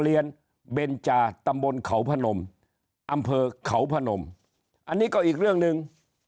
เบนจาตำบลเขาพนมอำเภอเขาพนมอันนี้ก็อีกเรื่องหนึ่ง